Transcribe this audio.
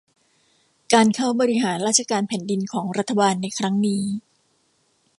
การเข้าบริหารราชการแผ่นดินของรัฐบาลในครั้งนี้